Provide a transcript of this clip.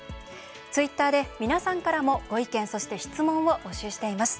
ツイッターで皆さんからもご意見そして、質問を募集しています。